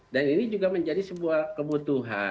dan ini juga menjadi sebuah kebutuhan